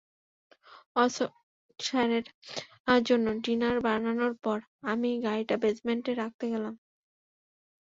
অশোক স্যারের জন্য ডিনার বানানোর পর, আমি গাড়িটা বেজমেন্টে রাখতে গেলাম।